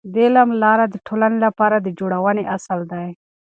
د علم لاره د ټولنې لپاره د جوړونې اصل دی.